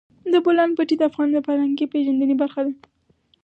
د بولان پټي د افغانانو د فرهنګي پیژندنې برخه ده.